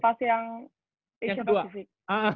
pas yang asia pacific